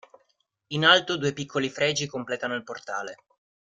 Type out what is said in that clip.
In alto due piccoli fregi completano il portale.